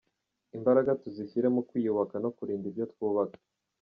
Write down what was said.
Imbaraga tuzishyire mu kwiyubaka no kurinda ibyo twubaka.”